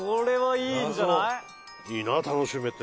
いいな楽しめて。